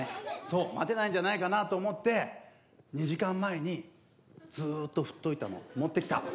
そう待てないんじゃないかなと思って２時間前にずっと振っといたの持ってきた。